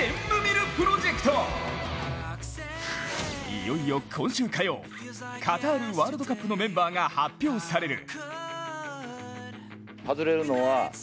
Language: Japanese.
いよいよ今週火曜、カタールワールドカップのメンバーが発表される。